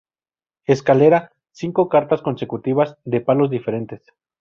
Escalera: cinco cartas consecutivas de palos diferentes.